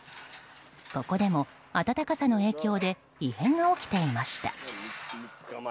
ここでも暖かさの影響で異変が起きていました。